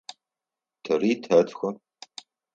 Тэри тэтхэ.